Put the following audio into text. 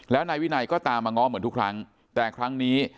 แล้วนายวินัยก็ตามมาง้อเหมือนทุกครั้งแต่ครั้งนี้